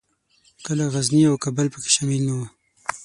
کله غزني او کابل پکښې شامل نه وو.